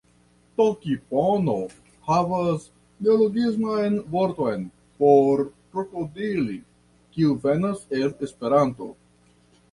Tokipono havas neologisman vorton por krokodili, kiu venas el Esperanto.